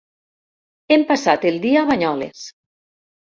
Hem passat el dia a Banyoles.